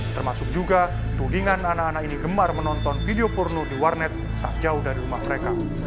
termasuk juga tudingan anak anak ini gemar menonton video porno di warnet tak jauh dari rumah mereka